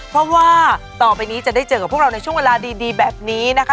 เพราะว่าต่อไปนี้จะได้เจอกับพวกเราในช่วงเวลาดีแบบนี้นะคะ